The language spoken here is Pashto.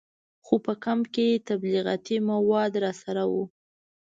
خو په کمپ کې تبلیغاتي مواد راسره وو.